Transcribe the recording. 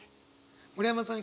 村山さん